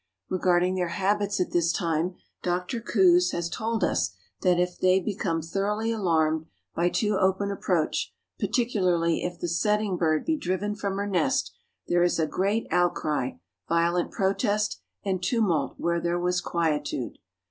Regarding their habits at this time, Dr. Coues has told us that if they "become thoroughly alarmed by too open approach, particularly if the setting bird be driven from her nest, there is a great outcry, violent protest and tumult where there was quietude.